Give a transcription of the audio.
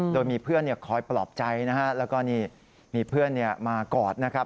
โดยมีเพื่อนคอยปลอบใจนะฮะแล้วก็นี่มีเพื่อนมากอดนะครับ